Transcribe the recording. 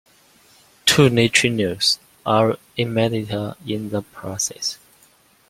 Two neutrinos are emitted in the process.